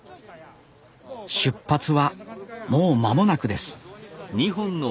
出発はもう間もなくですせの！